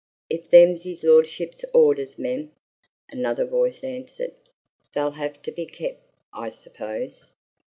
"If them's his lordship's orders, mem," another voice answered, "they'll have to be kep', I suppose.